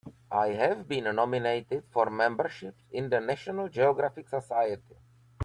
I've been nominated for membership in the National Geographic Society.